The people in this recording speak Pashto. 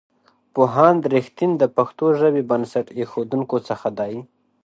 پوهاند رښتین د پښتو ژبې بنسټ ایښودونکو څخه دی.